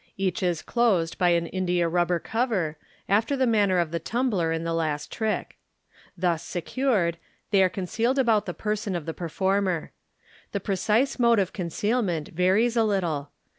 Each is closed by an india rubber cover, after the manner of the tumbler in the last trick. Thus secured, they are concealed about the person of the performer. The precise mode of concealment varies a little.